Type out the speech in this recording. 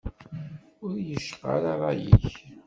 Ur iy-icqa ara rray-ik.